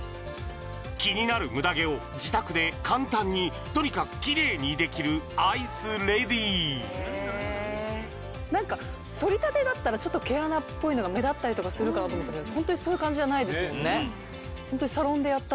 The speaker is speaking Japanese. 気になるムダ毛を自宅で簡単にとにかくキレイにできるアイスレディ何かそりたてだったらちょっと毛穴っぽいのが目立ったりとかするかなと思ったけどそういう感じじゃないですもんね